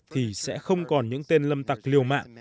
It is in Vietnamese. thì sẽ không còn những tên lâm tặc liều mạng